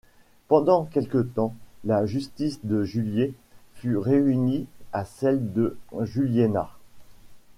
Pendant quelque temps, la justice de Jullié fut réunie à celle de Juliénas.